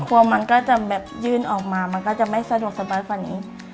ครัวมันก็จะแบบยื่นออกมามันก็จะไม่สะดวกสำหรับฝันนี้